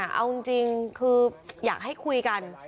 แต่เอาจริงอยากให้คุยกัน